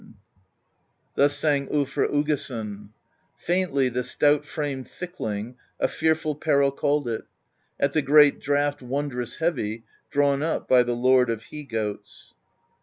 no PROSE EDDA Thus sang tTlfr Uggason: Faintly the stout framed thickhng A fearful peril called it, At the great draught wondrous heavy Drawn up by the Lord of he goats.